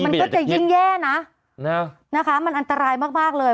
มันก็จะยิ่งแย่นะนะคะมันอันตรายมากเลย